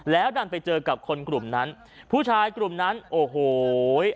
แล้วดันไปเจอกับคนกลุ่มนั้นผู้ชายกลุ่มนั้นโอ้โห